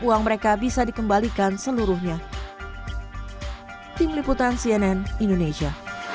uang mereka bisa dikembalikan seluruhnya